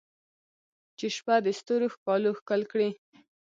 چې شپه د ستورو ښکالو ښکل کړي